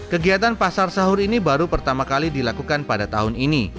kegiatan pasar sahur ini baru pertama kali dilakukan pada tahun ini